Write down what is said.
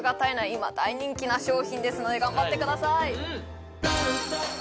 今大人気な商品ですので頑張ってください